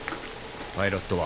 パイロットは？